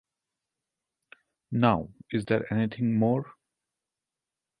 Now, is there anything more?